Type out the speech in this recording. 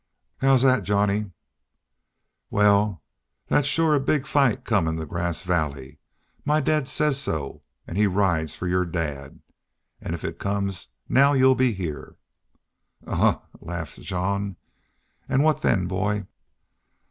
"How's that, Johnny?" "Wal, that's shore a big fight comin' to Grass Valley. My dad says so an' he rides fer yer dad. An' if it comes now y'u'll be heah." "Ahuh!" laughed Jean. "An' what then, boy?"